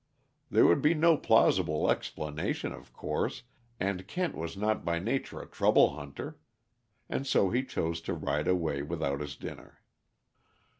There would be no plausible explanation, of course, and Kent was not by nature a trouble hunter; and so he chose to ride away without his dinner.